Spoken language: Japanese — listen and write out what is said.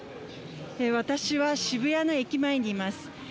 私は渋谷の駅前にいます。